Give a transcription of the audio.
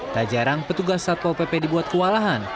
tak jarang petugas satpol pp dibuat kewalahan